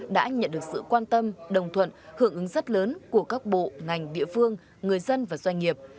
đã nhận được sự quan tâm đồng thuận hưởng ứng rất lớn của các bộ ngành địa phương người dân và doanh nghiệp